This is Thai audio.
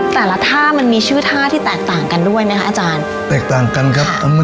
แต่ละท่ามันมีชื่อท่าที่แตกต่างกันด้วยไหมคะอาจารย์แตกต่างกันครับ